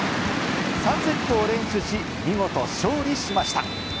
３セットを連取し、見事勝利しました。